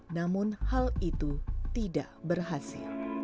namun hal itu tidak berhasil